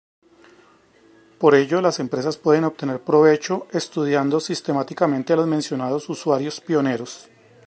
Por ello, las empresas pueden obtener provecho estudiando sistemáticamente a los mencionados usuarios pioneros.